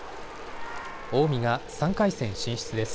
近江が３回戦進出です。